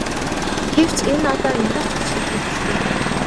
Гэвч энэ одоо ямар ч ач холбогдолгүй.